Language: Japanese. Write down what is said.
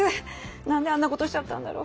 何であんなことしちゃったんだろ？